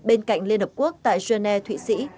bên cạnh liên hợp quốc tại genet thụy sĩ